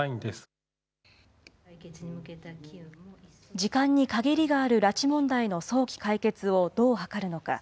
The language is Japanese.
時間に限りがある拉致問題の早期解決をどう図るのか。